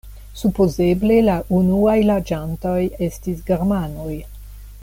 Supozeble la unuaj loĝantoj estis germanoj.